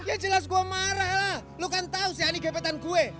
ya jelas gue marah lah lo kan tahu si ani kebetan gue